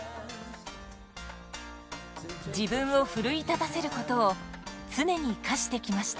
自分を奮い立たせることを常に課してきました。